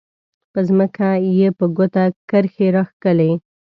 په ځمکه یې په ګوته کرښې راښکلې.